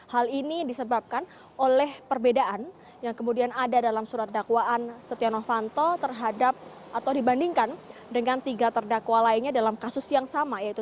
hal ini disebabkan oleh perbedaan yang kemudian ada dalam surat dakwaan setia novanto terhadap atau dibandingkan dengan tiga terdakwa lainnya dalam kasus yang sama yaitu